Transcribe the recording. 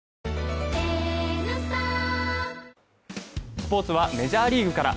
スポーツはメジャーリーグから。